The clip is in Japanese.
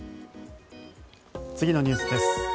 次のニュースです。